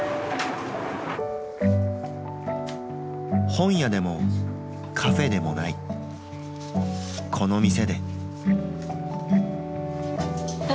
本屋でもカフェでもないこの店で。